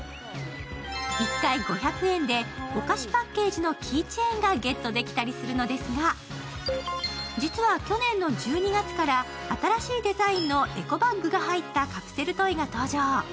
１回５００円でお菓子パッケージのキーチェーンがゲットできたりするのですが、実は去年の１２月から新しいデザインのエコバッグが入ったカプセルトイが登場。